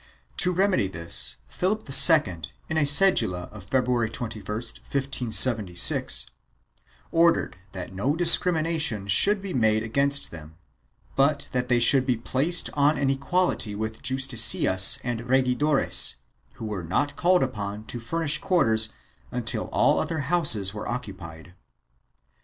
To remedy this Philip II, in a cedula of February 21, 1576, ordered that no discrimination should be made against them, but that they should be placed on an equality with justicias and regidores who were not called upon to furnish quarters until all other houses were occu pied.